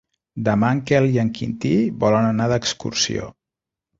Demà en Quel i en Quintí volen anar d'excursió.